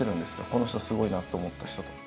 この人すごいなって思った人とか。